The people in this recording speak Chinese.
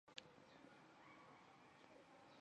展枝沙参为桔梗科沙参属的植物。